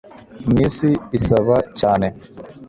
mw'isi isaba cyane